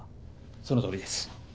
そのとおりです。